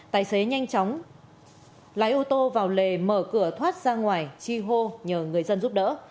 tài xế nhanh chóng lái ô tô vào lề mở cửa thoát ra ngoài chi hô nhờ người dân giúp đỡ